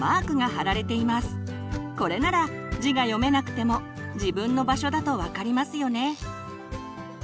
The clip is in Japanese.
これなら字が読めなくても自分の場所だと分かりますよね。